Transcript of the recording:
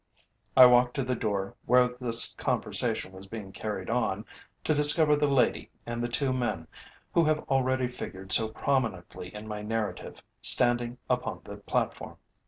I walked to the door where this conversation was being carried on, to discover the lady and the two men who have already figured so prominently in my narrative, standing upon the platform.